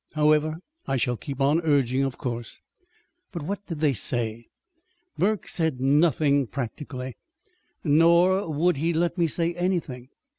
However, I shall keep on urging, of course." "But what did they say?" "Burke said nothing, practically. Nor would he let me say anything.